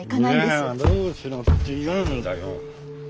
じゃあどうしろっていうんだよ。